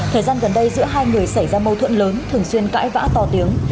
thời gian gần đây giữa hai người xảy ra mâu thuẫn lớn thường xuyên cãi vã to tiếng